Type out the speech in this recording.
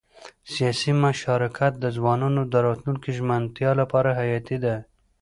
سیاسي مشارکت د ځوانانو د راتلونکي ژمنتیا لپاره حیاتي دی